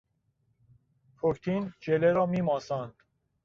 پکتین ژله را میماساند.